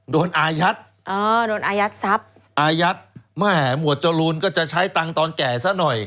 อายัดอ่าโดนอายัดทรัพย์อายัดแม่หมวดจรูนก็จะใช้ตังค์ตอนแก่ซะหน่อย